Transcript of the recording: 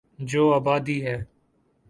جو آبادی ہے۔